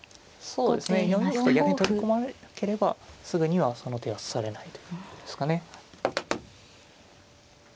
そうですね４四歩と逆に取り込まれなければすぐにはその手は指されないということですかね。